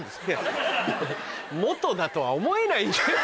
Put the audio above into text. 元だとは思えない。